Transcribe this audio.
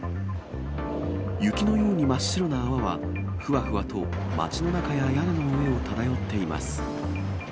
雪のように真っ白な泡は、ふわふわと町の中や屋根の上を漂っています。